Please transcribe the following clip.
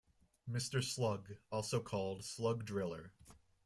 Mister Slug: Also called Slug Driller.